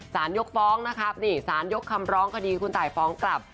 ยกฟ้องนะครับนี่สารยกคำร้องคดีคุณตายฟ้องกลับ